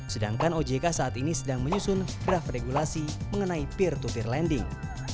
sedangkan ojk saat ini sedang menyusun draft regulasi mengenai peer to peer lending